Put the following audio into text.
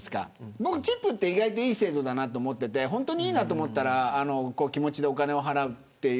僕はチップって意外といい制度だなと思っていて本当にいいなと思ったらお金を気持ちで払うという。